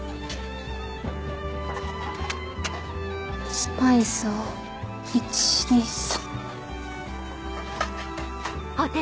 スパイスを１・２・３。